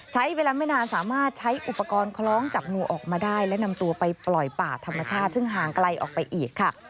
ใช้เวลาไม่นานสามารถใช้อุปกรณ์คล้องจับงูออกมาได้และนำตัวไปปล่อยป่าธรรมชาติซึ่งห่างไกลออกไปอีกค่ะ